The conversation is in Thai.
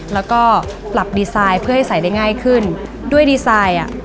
แล้วก็ปรับดีไซน์เพื่อให้ใส่ได้ง่ายขึ้นด้วยดีไซน์อ่ะ